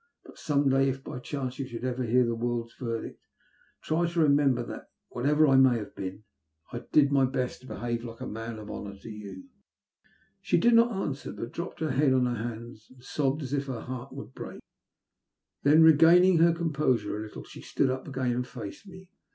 But some day, if by chance you should hear the world's verdict, try to remember that, whatever I may have been, I did my best to behave like a man of honour to you." She did not answer, but dropped her head on to her hands and sobbed as if her heart would break. Then, regaining her composure a little, she stood up again and faced me.